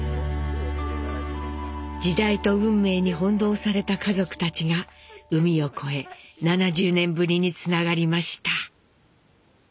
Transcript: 時代と運命に翻弄された家族たちが海を越え７０年ぶりにつながりました。